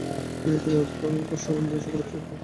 তিনি ছিলেন উৎকল ভাসোদ্দীপিনী সভার সেক্রেটারী।